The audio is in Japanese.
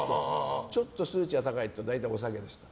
ちょっと数値が高いと大体お酒です。